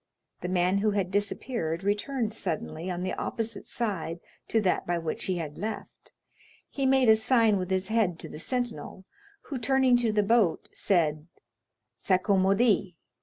The man who had disappeared returned suddenly on the opposite side to that by which he had left; he made a sign with his head to the sentinel, who, turning to the boat, said, "S'accommodi."